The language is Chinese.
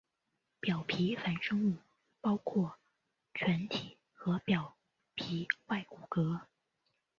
表皮衍生物包括腺体和表皮外骨骼。